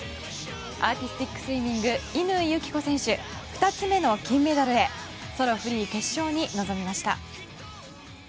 アーティスティックスイミング乾友紀子選手２つ目の金メダルへソロフリー決勝に臨みました。